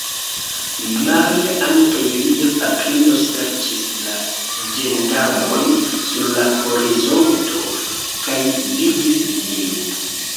Maria-Ann kaj lia patrino serĉis la ĝendarmojn sur la horizonto, kaj vidis neniun.